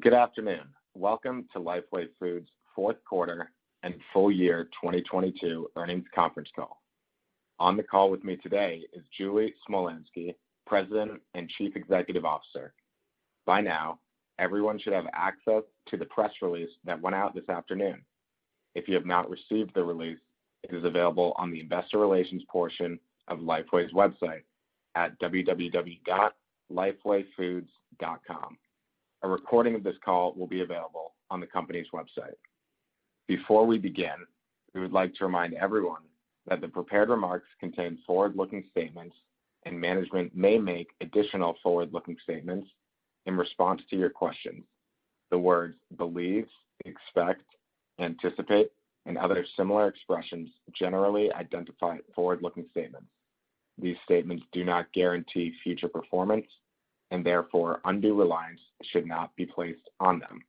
Good afternoon. Welcome to Lifeway Foods' fourth quarter and full year 2022 earnings conference call. On the call with me today is Julie Smolyansky, President and Chief Executive Officer. By now, everyone should have access to the press release that went out this afternoon. If you have not received the release, it is available on the investor relations portion of Lifeway's website at www.lifewayfoods.com. A recording of this call will be available on the company's website. Before we begin, we would like to remind everyone that the prepared remarks contain forward-looking statements and management may make additional forward-looking statements in response to your questions. The words believes, expect, anticipate, and other similar expressions generally identify forward-looking statements. These statements do not guarantee future performance and therefore, undue reliance should not be placed on them.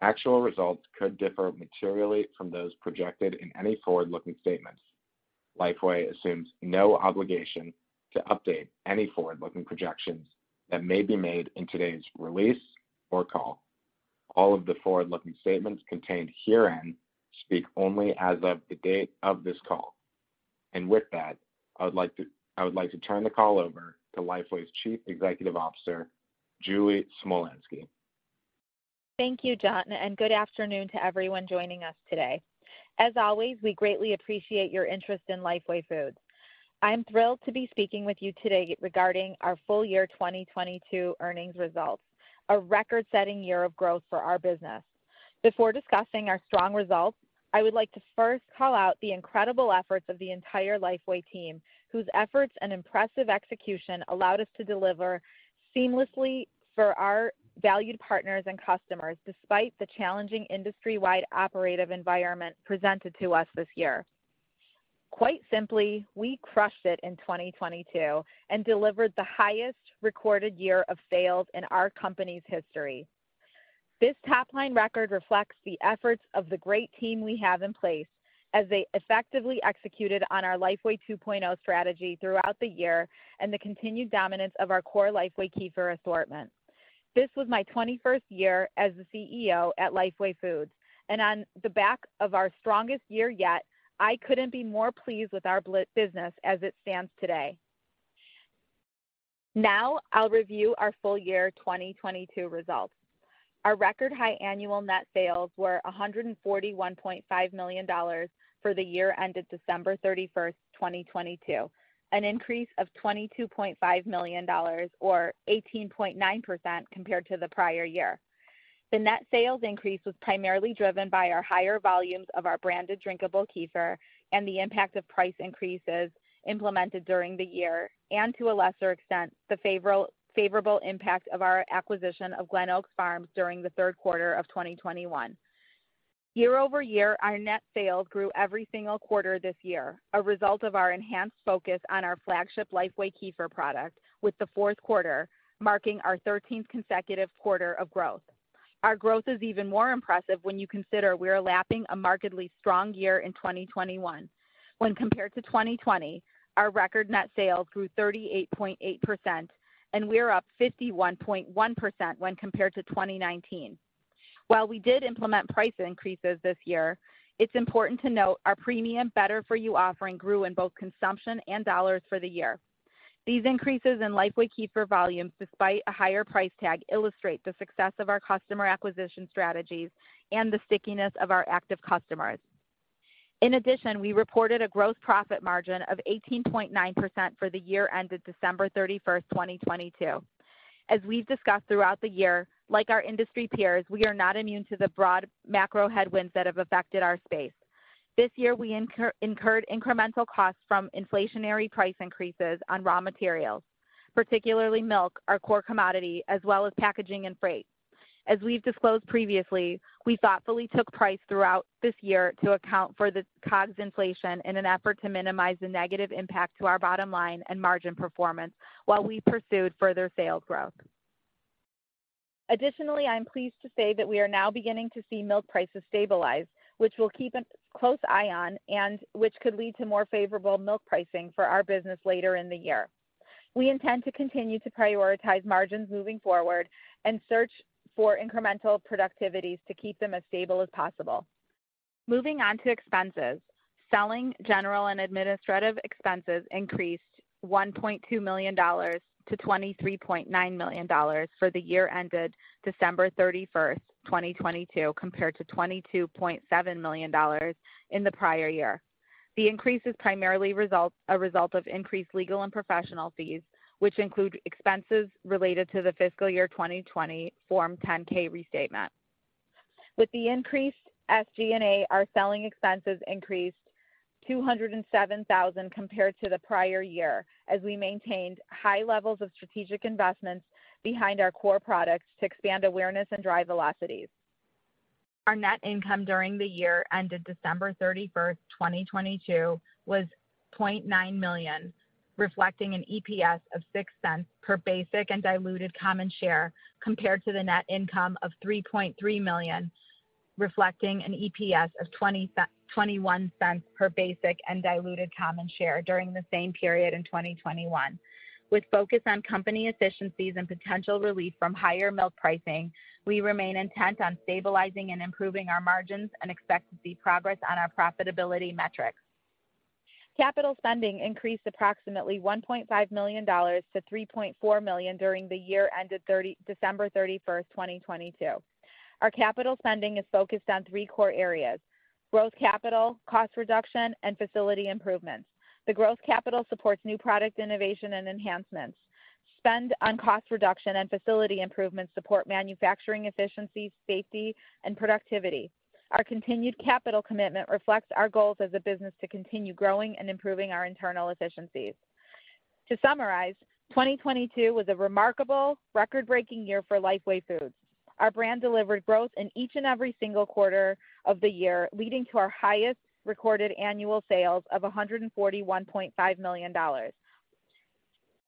Actual results could differ materially from those projected in any forward-looking statements. Lifeway assumes no obligation to update any forward-looking projections that may be made in today's release or call. All of the forward-looking statements contained herein speak only as of the date of this call. With that, I would like to turn the call over to Lifeway's Chief Executive Officer, Julie Smolyansky. Thank you, John. Good afternoon to everyone joining us today. As always, we greatly appreciate your interest in Lifeway Foods. I'm thrilled to be speaking with you today regarding our full year 2022 earnings results, a record-setting year of growth for our business. Before discussing our strong results, I would like to first call out the incredible efforts of the entire Lifeway team, whose efforts and impressive execution allowed us to deliver seamlessly for our valued partners and customers, despite the challenging industry-wide operative environment presented to us this year. Quite simply, we crushed it in 2022 and delivered the highest recorded year of sales in our company's history. This top-line record reflects the efforts of the great team we have in place as they effectively executed on our Lifeway 2.0 strategy throughout the year and the continued dominance of our core Lifeway Kefir assortment. This was my 21st year as the CEO at Lifeway Foods, and on the back of our strongest year yet, I couldn't be more pleased with our business as it stands today. Now, I'll review our full year 2022 results. Our record high annual net sales were $141.5 million for the year ended December 31st, 2022, an increase of $22.5 million or 18.9% compared to the prior year. The net sales increase was primarily driven by our higher volumes of our branded drinkable kefir and the impact of price increases implemented during the year, and to a lesser extent, the favorable impact of our acquisition of GlenOaks Farms during the third quarter of 2021. Year-over-year our net sales grew every single quarter this year, a result of our enhanced focus on our flagship Lifeway Kefir product, with the fourth quarter marking our 13th consecutive quarter of growth. Our growth is even more impressive when you consider we're lapping a markedly strong year in 2021. When compared to 2020, our record net sales grew 38.8%, and we're up 51.1% when compared to 2019. While we did implement price increases this year, it's important to note our premium better-for-you offering grew in both consumption and dollars for the year. These increases in Lifeway Kefir volumes, despite a higher price tag, illustrate the success of our customer acquisition strategies and the stickiness of our active customers. We reported a gross profit margin of 18.9% for the year ended December 31st, 2022. As we've discussed throughout the year, like our industry peers, we are not immune to the broad macro headwinds that have affected our space. This year, we incurred incremental costs from inflationary price increases on raw materials, particularly milk, our core commodity, as well as packaging and freight. As we've disclosed previously, we thoughtfully took price throughout this year to account for the COGS inflation in an effort to minimize the negative impact to our bottom line and margin performance while we pursued further sales growth. I'm pleased to say that we are now beginning to see milk prices stabilize, which we'll keep a close eye on and which could lead to more favorable milk pricing for our business later in the year. We intend to continue to prioritize margins moving forward and search for incremental productivities to keep them as stable as possible. Moving on to expenses. Selling, general, and administrative expenses increased $1.2 million-$23.9 million for the year ended December 31st, 2022, compared to $22.7 million in the prior year. The increase is primarily a result of increased legal and professional fees, which include expenses related to the fiscal year 2020 Form 10-K restatement. With the increased SG&A, our selling expenses increased $207,000 compared to the prior year as we maintained high levels of strategic investments behind our core products to expand awareness and drive velocities. Our net income during the year ended December 31st, 2022 was $0.9 million, reflecting an EPS of $0.06 per basic and diluted common share compared to the net income of $3.3 million. Reflecting an EPS of $0.21 per basic and diluted common share during the same period in 2021. With focus on company efficiencies and potential relief from higher milk pricing, we remain intent on stabilizing and improving our margins and expect to see progress on our profitability metrics. Capital spending increased approximately $1.5 million-$3.4 million during the year ended December 31st, 2022. Our capital spending is focused on three core areas: Growth Capital, Cost Reduction, and Facility Improvements. The growth capital supports new product innovation and enhancements. Spend on cost reduction and facility improvements support manufacturing efficiency, safety, and productivity. Our continued capital commitment reflects our goals as a business to continue growing and improving our internal efficiencies. To summarize, 2022 was a remarkable, record-breaking year for Lifeway Foods. Our brand delivered growth in each and every single quarter of the year, leading to our highest recorded annual sales of $141.5 million.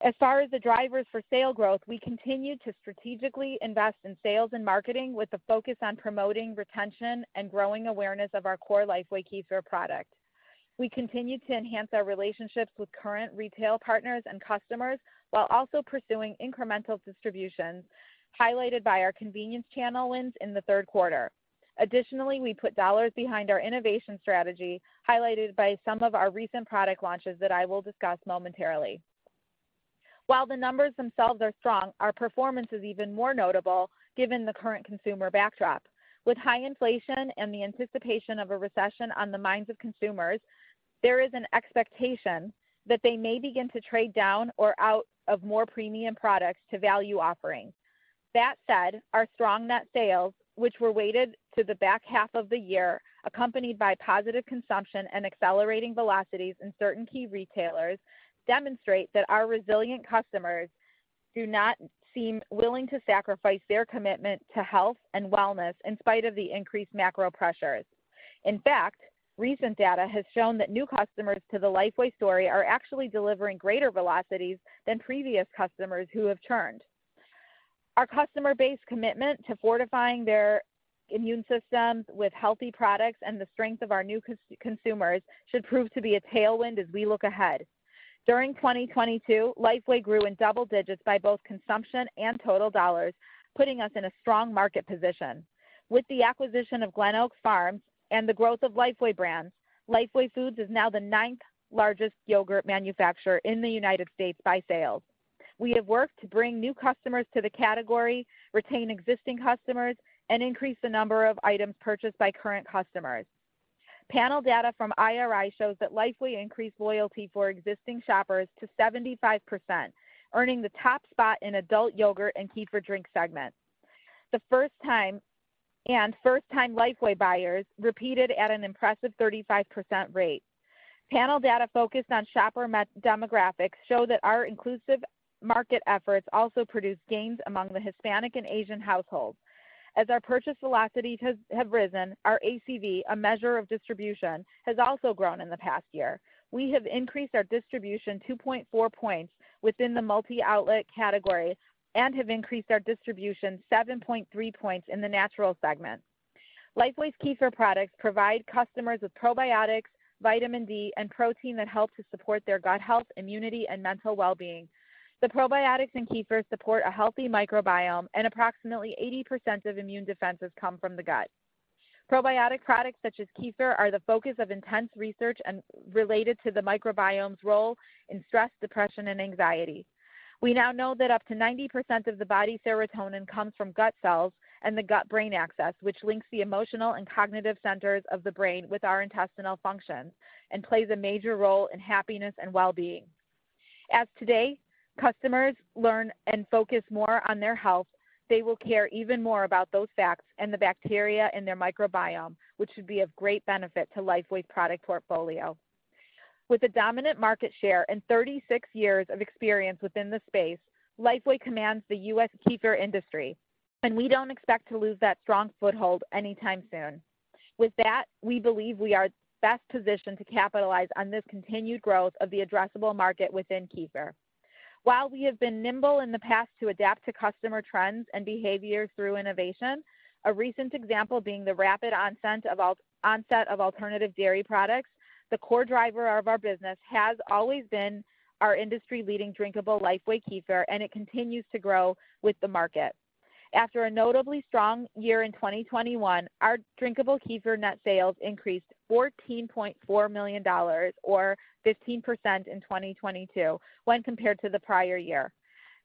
As far as the drivers for sale growth, we continued to strategically invest in sales and marketing with a focus on promoting retention and growing awareness of our core Lifeway Kefir product. We continued to enhance our relationships with current retail partners and customers while also pursuing incremental distributions, highlighted by our convenience channel wins in the third quarter. Additionally, we put dollars behind our innovation strategy, highlighted by some of our recent product launches that I will discuss momentarily. While the numbers themselves are strong, our performance is even more notable given the current consumer backdrop. With high inflation and the anticipation of a recession on the minds of consumers, there is an expectation that they may begin to trade down or out of more premium products to value offerings. That said, our strong net sales, which were weighted to the back half of the year, accompanied by positive consumption and accelerating velocities in certain key retailers, demonstrate that our resilient customers do not seem willing to sacrifice their commitment to health and wellness in spite of the increased macro pressures. In fact, recent data has shown that new customers to the Lifeway story are actually delivering greater velocities than previous customers who have churned. Our customer-based commitment to fortifying their immune systems with healthy products and the strength of our new consumers should prove to be a tailwind as we look ahead. During 2022, Lifeway grew in double digits by both consumption and total dollars, putting us in a strong market position. With the acquisition of GlenOaks Farms and the growth of Lifeway brands, Lifeway Foods is now the 9th-largest yogurt manufacturer in the United States by sales. We have worked to bring new customers to the category, retain existing customers, and increase the number of items purchased by current customers. Panel data from IRI shows that Lifeway increased loyalty for existing shoppers to 75%, earning the top spot in adult yogurt and kefir drink segments. First-time Lifeway buyers repeated at an impressive 35% rate. Panel data focused on shopper demographics show that our inclusive market efforts also produced gains among the Hispanic and Asian households. As our purchase velocities have risen, our ACV, a measure of distribution, has also grown in the past year. We have increased our distribution 2.4 points within the multi-outlet category and have increased our distribution 7.3 points in the natural segment. Lifeway's Kefir products provide customers with probiotics, vitamin D, and protein that help to support their gut health, immunity, and mental well-being. The probiotics in kefir support a healthy microbiome, and approximately 80% of immune defenses come from the gut. Probiotic products such as kefir are the focus of intense research related to the microbiome's role in stress, depression, and anxiety. We now know that up to 90% of the body's serotonin comes from gut cells and the gut-brain axis, which links the emotional and cognitive centers of the brain with our intestinal functions and plays a major role in happiness and well-being. Today, customers learn and focus more on their health, they will care even more about those facts and the bacteria in their microbiome, which should be of great benefit to Lifeway's product portfolio. With a dominant market share and 36 years of experience within the space, Lifeway commands the U.S. Kefir industry, and we don't expect to lose that strong foothold anytime soon. With that, we believe we are best positioned to capitalize on this continued growth of the addressable market within kefir. While we have been nimble in the past to adapt to customer trends and behavior through innovation, a recent example being the rapid onset of alternative dairy products, the core driver of our business has always been our industry-leading drinkable Lifeway Kefir. It continues to grow with the market. After a notably strong year in 2021, our drinkable kefir net sales increased $14.4 million or 15% in 2022 when compared to the prior year.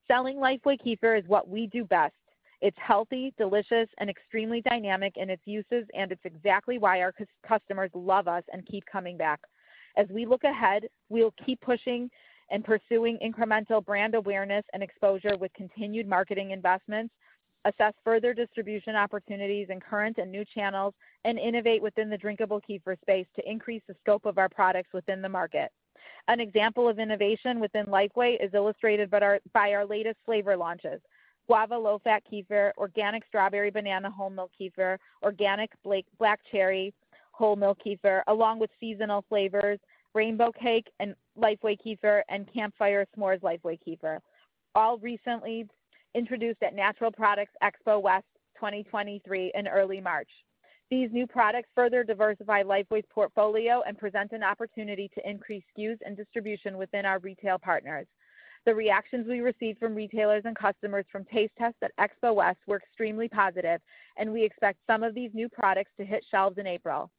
Selling Lifeway Kefir is what we do best. It's healthy, delicious, and extremely dynamic in its uses. It's exactly why our customers love us and keep coming back. As we look ahead, we'll keep pushing and pursuing incremental brand awareness and exposure with continued marketing investments, assess further distribution opportunities in current and new channels, and innovate within the drinkable kefir space to increase the scope of our products within the market. An example of innovation within Lifeway is illustrated by our latest flavor launches. Guava Lowfat Kefir, Organic Whole Milk Strawberry Banana Kefir, Organic Whole Milk Black Cherry Kefir, along with seasonal flavors Rainbow Cake Lifeway Kefir and Campfire S'mores Lifeway Kefir, all recently introduced at Natural Products Expo West 2023 in early March. These new products further diversify Lifeway's portfolio and present an opportunity to increase SKUs and distribution within our retail partners. The reactions we received from retailers and customers from taste tests at Expo West were extremely positive, and we expect some of these new products to hit shelves in April.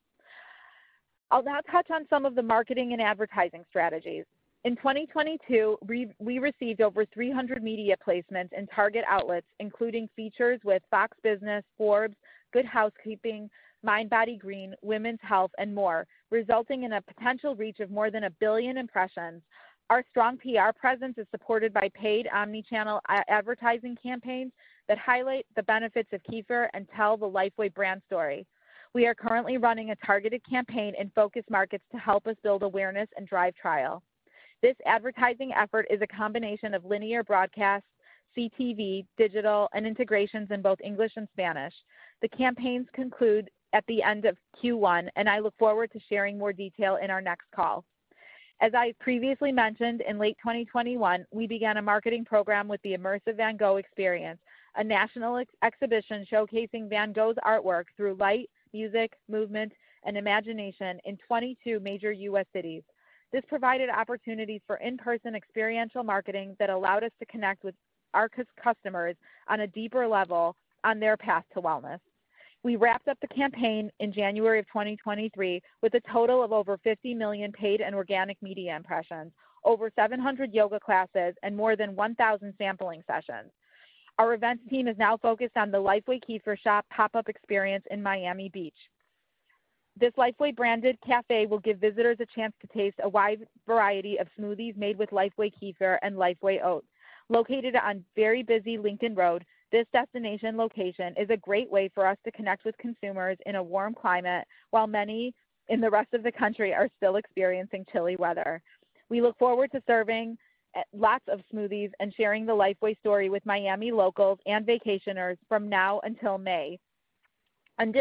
I'll now touch on some of the marketing and advertising strategies. In 2022, we received over 300 media placements in target outlets, including features with Fox Business, Forbes, Good Housekeeping, mindbodygreen, Women's Health and more, resulting in a potential reach of more than 1 billion impressions. Our strong PR presence is supported by paid omni-channel advertising campaigns that highlight the benefits of kefir and tell the Lifeway brand story. We are currently running a targeted campaign in focus markets to help us build awareness and drive trial. This advertising effort is a combination of linear broadcast, CTV, digital and integrations in both English and Spanish. The campaigns conclude at the end of Q1. I look forward to sharing more detail in our next call. As I previously mentioned, in late 2021, we began a marketing program with the Immersive Van Gogh Experience, a national exhibition showcasing Van Gogh's artwork through light, music, movement and imagination in 22 major U.S. cities. This provided opportunities for in-person experiential marketing that allowed us to connect with our customers on a deeper level on their path to wellness. We wrapped up the campaign in January of 2023, with a total of over 50 million paid and organic media impressions, over 700 yoga classes, and more than 1,000 sampling sessions. Our events team is now focused on the Lifeway Kefir Shop pop-up experience in Miami Beach. This Lifeway-branded cafe will give visitors a chance to taste a wide variety of smoothies made with Lifeway Kefir and Lifeway Oats. Located on very busy Lincoln Road, this destination location is a great way for us to connect with consumers in a warm climate while many in the rest of the country are still experiencing chilly weather. We look forward to serving lots of smoothies and sharing the Lifeway story with Miami locals and vacationers from now until May.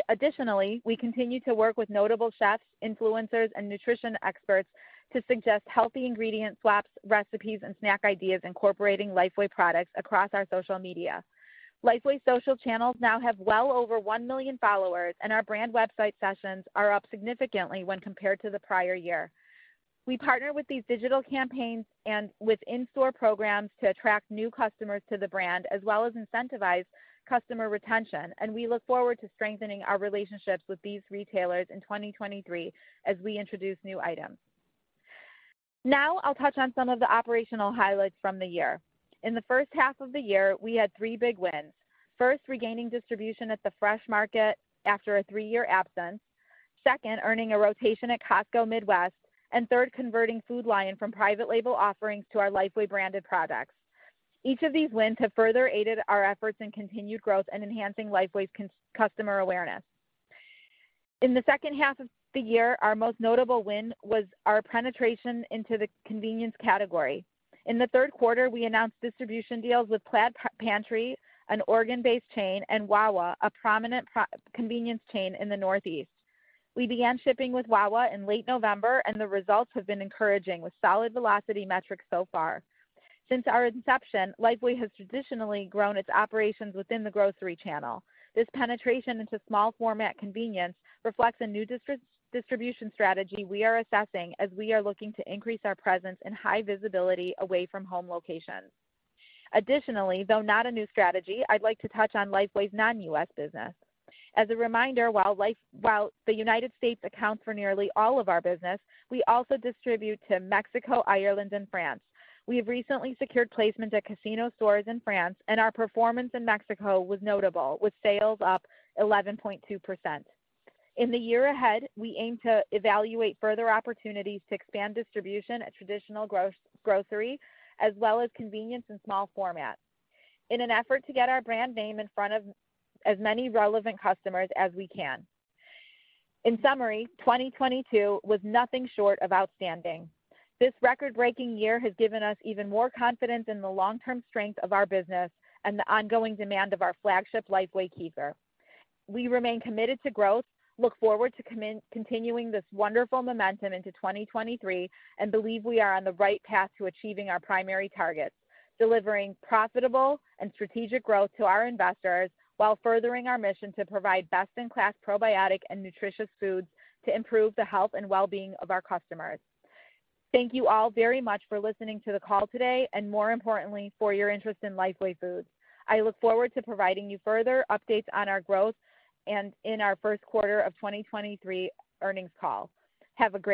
Additionally, we continue to work with notable chefs, influencers and nutrition experts to suggest healthy ingredient swaps, recipes and snack ideas incorporating Lifeway products across our social media. Lifeway social channels now have well over 1 million followers, our brand website sessions are up significantly when compared to the prior year. We partner with these digital campaigns and with in-store programs to attract new customers to the brand, as well as incentivize customer retention. We look forward to strengthening our relationships with these retailers in 2023 as we introduce new items. Now, I'll touch on some of the operational highlights from the year. In the first half of the year, we had three big wins. First, regaining distribution at The Fresh Market after a three-year absence. Second, earning a rotation at Costco Midwest. Third, converting Food Lion from private label offerings to our Lifeway branded products. Each of these wins have further aided our efforts in continued growth and enhancing Lifeway's customer awareness. In the second half of the year, our most notable win was our penetration into the convenience category. In the third quarter, we announced distribution deals with Plaid Pantry, an Oregon-based chain, and Wawa, a prominent convenience chain in the Northeast. The results have been encouraging, with solid velocity metrics so far. Since our inception, Lifeway has traditionally grown its operations within the grocery channel. This penetration into small format convenience reflects a new distribution strategy we are assessing as we are looking to increase our presence in high visibility away from home locations. Additionally, though not a new strategy, I'd like to touch on Lifeway's non-U.S. business. As a reminder, while the United States accounts for nearly all of our business, we also distribute to Mexico, Ireland and France. Our performance in Mexico was notable, with sales up 11.2%. In the year ahead, we aim to evaluate further opportunities to expand distribution at traditional grocery, as well as convenience and small format in an effort to get our brand name in front of as many relevant customers as we can. In summary, 2022 was nothing short of outstanding. This record-breaking year has given us even more confidence in the long-term strength of our business and the ongoing demand of our flagship Lifeway Kefir. We remain committed to growth, look forward to continuing this wonderful momentum into 2023, and believe we are on the right path to achieving our primary targets, delivering profitable and strategic growth to our investors while furthering our mission to provide best-in-class probiotic and nutritious foods to improve the health and well-being of our customers. Thank you all very much for listening to the call today, and more importantly, for your interest in Lifeway Foods. I look forward to providing you further updates on our growth and in our first quarter of 2023 earnings call. Have a great day.